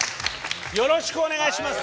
よろしくお願いします。